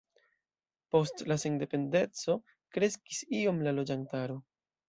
Post la sendependeco kreskis iom la loĝantaro.